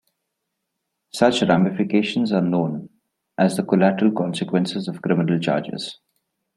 Such ramifications are known as the collateral consequences of criminal charges.